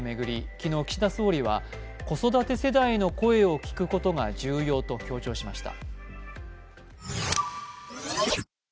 昨日、岸田総理は子育て世代の声を聴くことが重要と強調しました。